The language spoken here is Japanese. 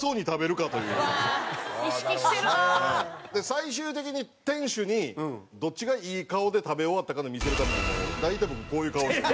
最終的に店主にどっちがいい顔で食べ終わったかを見せるために大体僕こういう顔してる。